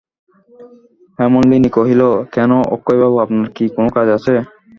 হেমনলিনী কহিল, কেন অক্ষয়বাবু, আপনার কি কোনো কাজ আছে?